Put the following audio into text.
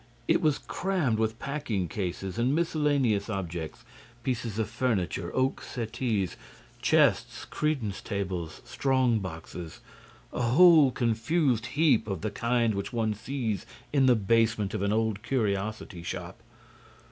It was crammed with packing cases and miscellaneous objects—pieces of furniture, oak settees, chests, credence tables, strong boxes—a whole confused heap of the kind which one sees in the basement of an old curiosity shop.